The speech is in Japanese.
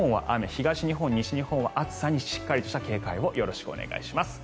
東日本、西日本は暑さにしっかりとした警戒をよろしくお願いします。